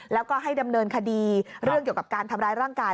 แล้วก็ให้ดำเนินคดีเรื่องเกี่ยวกับการทำร้ายร่างกาย